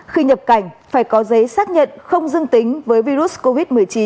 khi nhập cảnh phải có giấy xác nhận không dương tính với virus covid một mươi chín